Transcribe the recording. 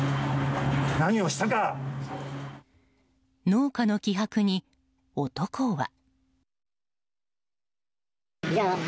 農家の気迫に、男は。